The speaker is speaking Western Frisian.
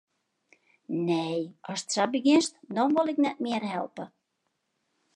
Nee, ast sa begjinst, dan wol ik net mear helpe.